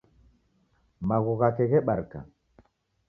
Maghu ghake ghebarika.